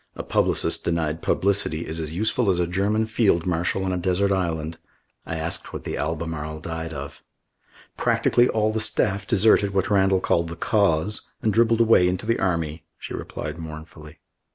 A publicist denied publicity is as useful as a German Field Marshal on a desert island. I asked what The Albemarle died of. "Practically all the staff deserted what Randall called the Cause and dribbled away into the army," she replied mournfully.